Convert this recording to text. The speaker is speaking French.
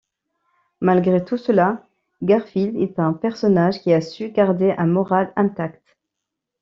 Malgré tout cela, Garfield est un personnage qui a su garder un moral intact.